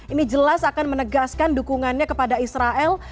ini jelas akan menegaskan dukungannya kepada israel